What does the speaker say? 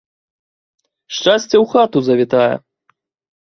Шчасце ў хату завітае!